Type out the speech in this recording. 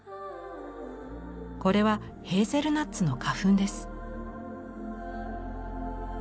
これはヘーゼルナッツの花粉です。